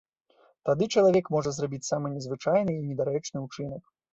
Тады чалавек можа зрабіць самы незвычайны і недарэчны ўчынак.